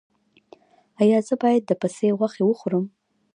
ایا زه باید د پسې غوښه وخورم؟